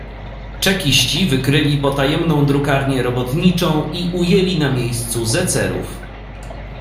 "Czekiści wykryli potajemną drukarnię robotniczą i ujęli na miejscu zecerów."